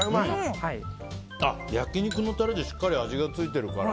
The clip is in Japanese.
焼き肉のタレでしっかり味がついてるから。